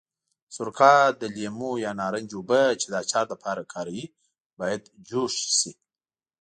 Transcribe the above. سرکه، د لیمو یا نارنج اوبه چې د اچار لپاره کاروي باید جوش شي.